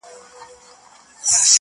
ښكلو ته كاته اكثر؛